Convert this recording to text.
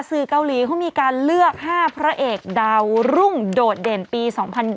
สื่อเกาหลีเขามีการเลือก๕พระเอกดาวรุ่งโดดเด่นปี๒๐๒๐